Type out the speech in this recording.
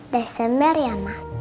desember ya ma